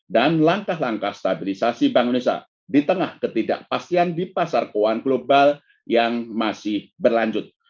dan langkah langkah stabilisasi bank indonesia di tengah ketidakpastian di pasar keuangan global yang masih berlanjut